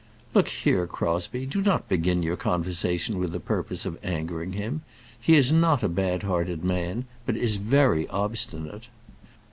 "Look here, Crosbie; do not begin your conversation with the purpose of angering him. He is not a bad hearted man, but is very obstinate."